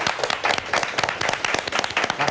พี่แดงก็พอสัมพันธ์พูดเลยนะครับ